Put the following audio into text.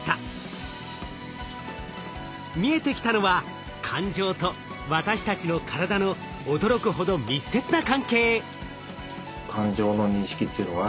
見えてきたのは感情と私たちの体の驚くほど密接な関係。